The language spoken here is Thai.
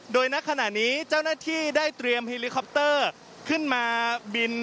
โดยณขณะนี้เจ้าหน้าที่ได้เตรียมเฮลิคอปเตอร์ขึ้นมาบิน